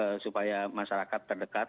eee supaya masyarakat terdekat